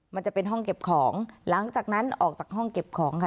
มันจะเป็นห้องเก็บของหลังจากนั้นออกจากห้องเก็บของค่ะ